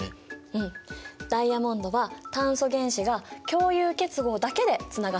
うんダイヤモンドは炭素原子が共有結合だけでつながっている。